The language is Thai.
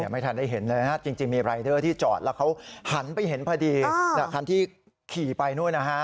ไม่ทันได้เห็นเลยจริงมีรายเดอร์ที่จอดแล้วเขาหันไปเห็นพอดีคันที่ขี่ไปนู่นนะฮะ